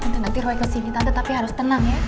nanti roy kesini tante tapi harus tenang ya